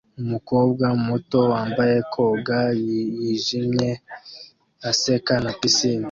Umukobwa muto wambaye koga yijimye aseka na pisine